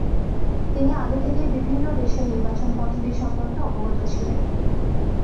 তিনি আগে থেকেই বিভিন্ন দেশের নির্বাচন পদ্ধতি সম্পর্কে অবগত ছিলেন।